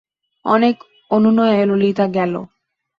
অনেক অনুনয়ে ললিতা গেল।